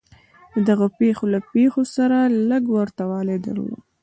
دغو پېښو له پېښو سره لږ ورته والی درلود.